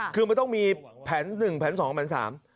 คือมันต้องมีแผน๑แผน๒แผน๓